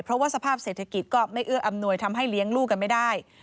เพราะว่าสภาพเศรษฐกิจก็ไม่เอื้ออำนวยทำให้เลี้ยงลูกกันไม่ได้